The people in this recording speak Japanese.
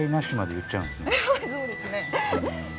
そうですね。